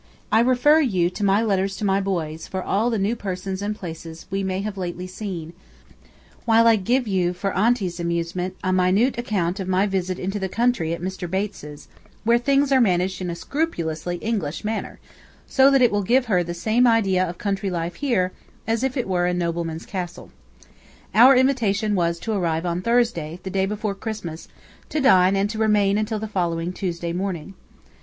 I refer you to my letters to my boys, for all the new persons and places we may have seen lately, while I give you for Aunty's amusement a minute account of my visit into the country at Mr. Bates's, where things are managed in a scrupulously English manner, so that it will give her the same idea of country life here, as if it were a nobleman's castle. Our invitation was to arrive on Thursday, the day before Christmas, to dine, and to remain until the following Tuesday morning.